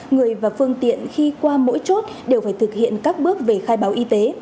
người và phương tiện khi qua mỗi chốt đều phải thực hiện các bước về khai báo y tế